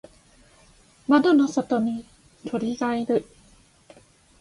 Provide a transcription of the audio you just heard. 窓の外に鳥がいる。